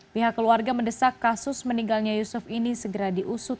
pihak keluarga mendesak kasus meninggalnya yusuf ini segera diusut